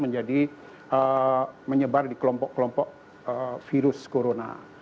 jadi menyebar di kelompok kelompok virus corona